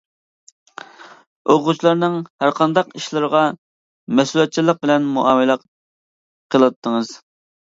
ئوقۇغۇچىلارنىڭ ھەرقانداق ئىشلىرىغا مەسئۇلىيەتچانلىق بىلەن مۇئامىلە قىلاتتىڭىز.